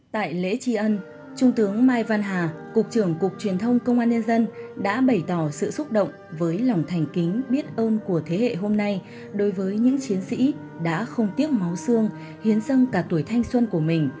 tại lễ tri ân trung tướng mai văn hà cục trưởng cục truyền thông công an nhân dân đã bày tỏ sự xúc động với lòng thành kính biết ơn của thế hệ hôm nay đối với những chiến sĩ đã không tiếc máu xương hiến dâng cả tuổi thanh xuân của mình